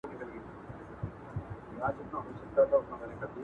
الله دې د ټولو مسافرو سفر